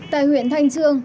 tại huyện thanh trương